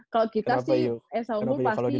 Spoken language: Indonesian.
kalau kita sih somu pasti